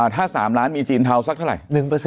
ถ้า๓ล้านมีจีนเทาสักเท่าไหร่